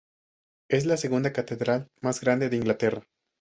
Es la segunda catedral más grande de Inglaterra.